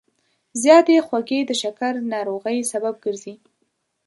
زیاتې خوږې د شکر ناروغۍ سبب ګرځي.